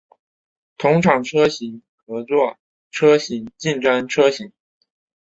同厂车型合作车型竞争车型